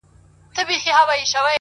زما پښتون زما ښايسته اولس ته!!